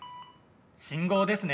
信号ですね。